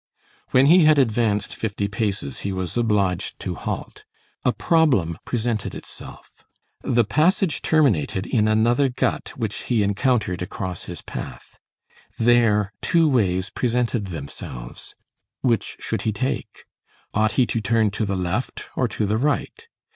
When he had advanced fifty paces, he was obliged to halt. A problem presented itself. The passage terminated in another gut which he encountered across his path. There two ways presented themselves. Which should he take? Ought he to turn to the left or to the right?